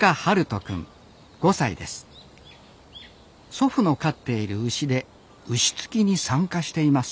祖父の飼っている牛で牛突きに参加しています